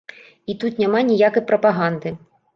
І тут няма ніякай прапаганды.